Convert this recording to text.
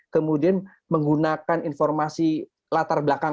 kemudian menggunakan informasi latar belakang